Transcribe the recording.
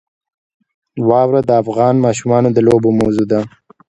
واوره د افغان ماشومانو د لوبو موضوع ده.